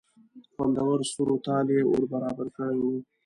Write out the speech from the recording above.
خوندور سور و تال یې ور برابر کړی و.